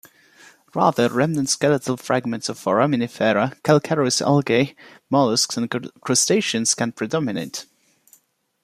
Rather, remnant skeletal fragments of foraminifera, calcareous algae, molluscs, and crustaceans can predominate.